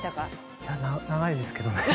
いや長いですけどね。